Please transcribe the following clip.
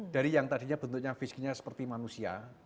dari yang tadinya bentuknya fisiknya seperti manusia